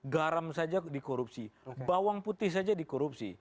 garam saja dikorupsi bawang putih saja dikorupsi